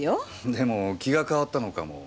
でも気が変わったのかも。